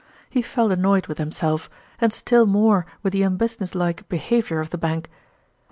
He felt annoyed with himself, and still more with the unbusiness like behavior of the Bank.